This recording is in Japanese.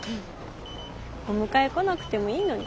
お迎え来なくてもいいのに。